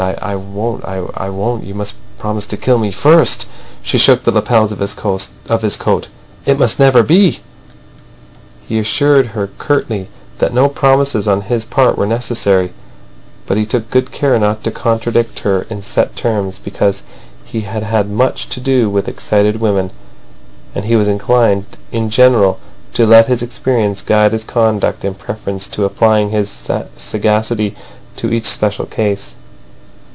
I won't. I won't. I won't. You must promise to kill me first!" She shook the lapels of his coat. "It must never be!" He assured her curtly that no promises on his part were necessary, but he took good care not to contradict her in set terms, because he had had much to do with excited women, and he was inclined in general to let his experience guide his conduct in preference to applying his sagacity to each special case.